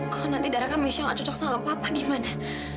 kok nanti darahnya misalnya gak cocok sama bapak gimana